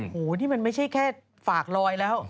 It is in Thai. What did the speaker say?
โหนี่มันไม่ใช่แค่ฝากลอยแล้ว